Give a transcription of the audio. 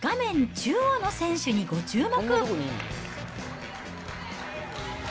中央の選手にご注目。